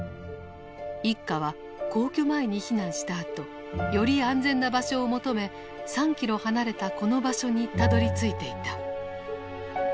一家は皇居前に避難したあとより安全な場所を求め３キロ離れたこの場所にたどりついていた。